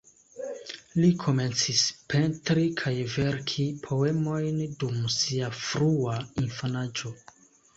Li komencis pentri kaj verki poemojn dum sia frua infanaĝo.